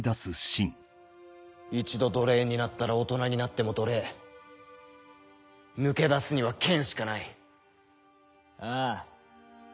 一度奴隷になったら大人に抜け出すには剣しかないああ